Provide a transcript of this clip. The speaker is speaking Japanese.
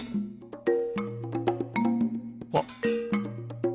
あっ。